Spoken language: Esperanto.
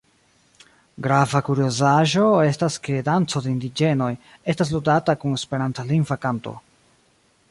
Grava kuriozaĵo estas ke danco de indiĝenoj estas ludata kun esperantlingva kanto.